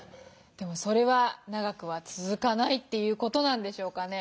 でもそれは長くは続かないという事なんでしょうかね。